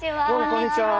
こんにちは。